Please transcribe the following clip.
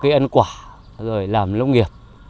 cây ăn quả rồi làm lông nghiệp